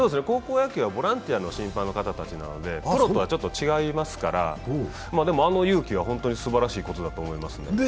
高校野球はボランティアの審判の方たちなのでプロとはちょっと違いますから、でも、あの勇気は本当にすばらしいことだと思いますね。